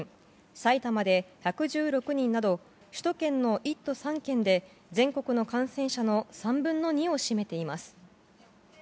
埼玉で１１６人など首都圏の１都３県で全国の感染者の３分の２を占めています。